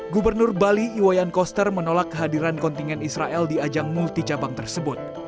gubernur bali iwayan koster menolak kehadiran kontingen israel di ajang multi cabang tersebut